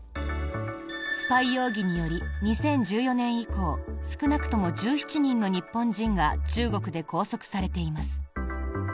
スパイ容疑により２０１４年以降少なくとも１７人の日本人が中国で拘束されています。